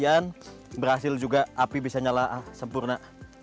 kemudian berhasil juga api bisa nyala sempurna